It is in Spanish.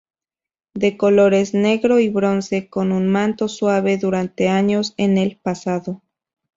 De colores negro y bronce, con un manto suave, durante años en el pasado.